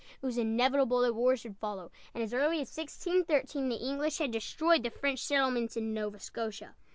It was inevitable that war should follow; and as early as 1613 the English had destroyed the French settlements in Nova Scotia.